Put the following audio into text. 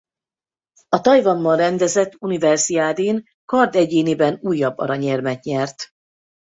A Tajvanban rendezett Universiadén kard egyéniben újabb aranyérmet nyert.